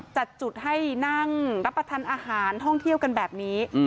จัดจุดให้นั่งรับประทานอาหารท่องเที่ยวกันแบบนี้